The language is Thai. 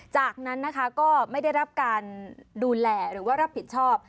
จากนั้นนะคะก็ไม่ได้รับการดูแลหรือว่ารับผิดชอบ